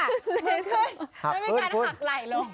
มือขึ้นหักขึ้นไม่มีการหักไหล่ลง